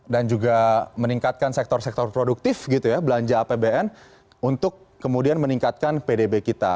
dan juga meningkatkan sektor sektor produktif gitu ya belanja pbn untuk kemudian meningkatkan pdb kita